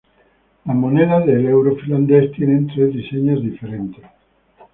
Las monedas de euro finlandesas tienen tres diseños diferentes.